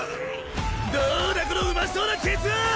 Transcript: どうだこのうまそうなケツは！